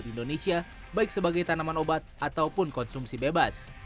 kementerian bambang sugiharto menyebutkan tanaman obat yang dianggap sebagai narkotika golongan satu